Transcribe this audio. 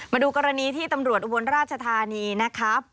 มาดูกรณีที่ตำรวจอุบลราชธานีนะครับ